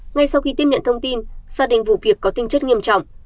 ngay sau khi tiếp nhận thông tin xác định vụ việc có tinh chất nghiêm trọng